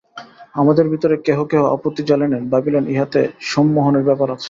আমাদের ভিতর কেহ কেহ আপত্তি জানাইলেন, ভাবিলেন ইহাতে সম্মোহনের ব্যাপার আছে।